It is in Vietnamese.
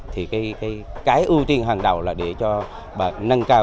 thì cái ưu tiên hàng đầu là để cho bà nâng cao